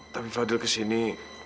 tapi fadil kesini